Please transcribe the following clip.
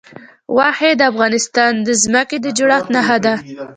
غوښې د افغانستان د ځمکې د جوړښت نښه ده.